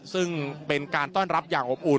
ซึ่งเป็นการต้อนรับอย่างอบอุ่น